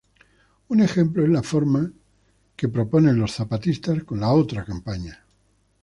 Un ejemplo es la forma que proponen los Zapatistas con la Otra Campaña.